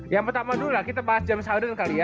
yang pertama dulu lah kita bahas jam sauddin kali ya